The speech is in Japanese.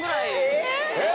えっ！